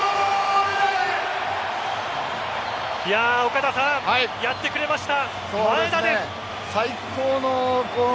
岡田さん、やってくれました。